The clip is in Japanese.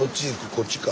こっちか。